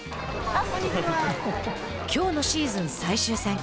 きょうのシーズン最終戦。